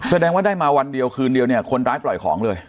แสดงว่าได้มาวันเดียวคืนเดียวเนี่ยคนร้ายปล่อยของเลย